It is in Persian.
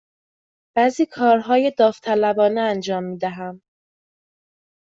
بعضی کارهای داوطلبانه انجام می دهم.